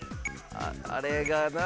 あれがな。